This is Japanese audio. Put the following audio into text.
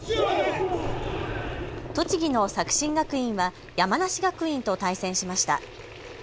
栃木の作新学院は山梨学院と対戦しました。